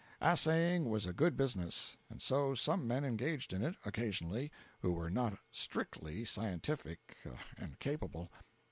Assaying was a good business, and so some men engaged in it, occasionally, who were not strictly scientific and capable.